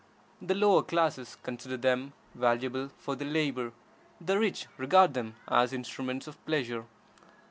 The lower classes consider them valuable for their labor, the rich regard them as instruments of pleasure.